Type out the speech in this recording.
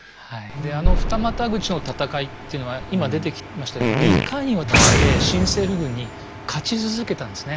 であの二股口の戦いっていうのは今出てきましたように２回にわたって新政府軍に勝ち続けたんですね。